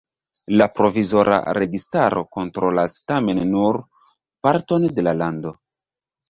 La provizora registaro kontrolas tamen nur parton de la lando.